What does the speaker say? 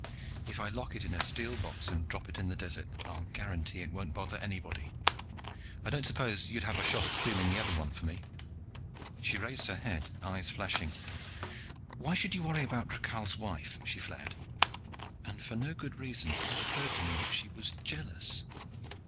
If I lock it in a steel box and drop it in the desert, I'll guarantee it won't bother anybody. I don't suppose you'd have a shot at stealing the other one for me?" She raised her head, eyes flashing. "Why should you worry about Rakhal's wife?" she flared, and for no good reason it occurred to me that she was jealous.